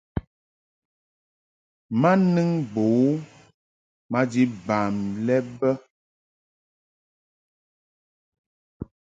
Ma nɨŋ bo u maji bam lɛ bə.